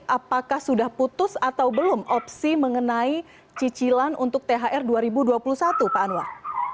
apakah sudah putus atau belum opsi mengenai cicilan untuk thr dua ribu dua puluh satu pak anwar